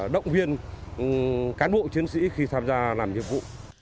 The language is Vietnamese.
động viên cán bộ chiến sĩ khi tham gia làm nhiệm vụ